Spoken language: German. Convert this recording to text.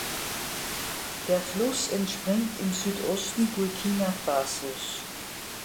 Der Fluss entspringt im Südosten Burkina Fasos.